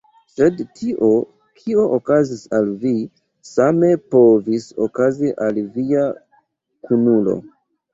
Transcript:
Sed tio, kio okazis al vi, same povis okazi al via kunulo.